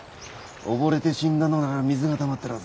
溺れて死んだのなら水がたまってるはず。